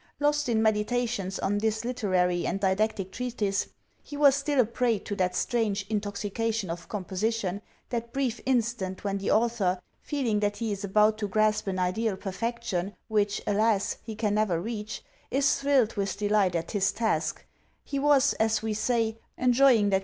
Lost in meditations on this literary and didactic treatise, he was still a prey to that strange intoxication of composition, that brief instant when the author, feeling that he is about to grasp an ideal per fection which, alas, he can never reach, is thrilled with delight at his task ; he was, we say, enjoying that period of 1 M.